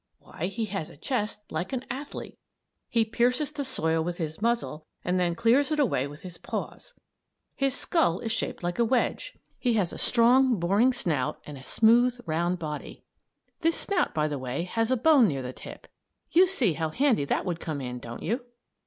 Why, he has a chest like an athlete! He pierces the soil with his muzzle and then clears it away with his paws. His skull is shaped like a wedge. He has a strong, boring snout and a smooth, round body. This snout, by the way, has a bone near the tip. You see how handy that would come in, don't you?